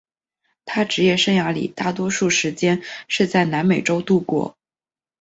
他职业生涯里大多数时间是在南美洲度过。